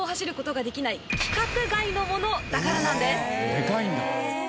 でかいんだ！